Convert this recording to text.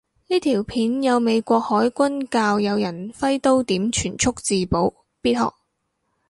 呢條片有美國海軍教有人揮刀點全速自保，必學